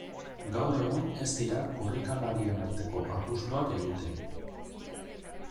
Gaur egun ez dira korrikalarien arteko apustuak egiten.